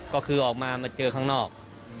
ก็คือออกมาเจอก็มีข้างนอก